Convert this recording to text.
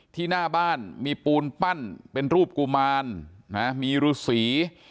หน้าบ้านมีปูนปั้นเป็นรูปกุมารมีฤษี